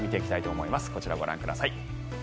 こちらをご覧ください。